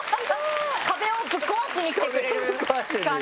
壁をぶっ壊しにきてくれる感じ。